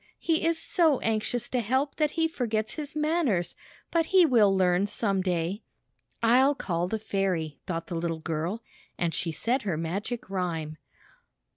He is so anxious to help that he forgets his manners; but he will learn some day." "I'll call the fairy/' thought the little girl, and she said her magic rhjine.